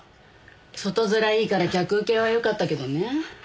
外面いいから客ウケはよかったけどね。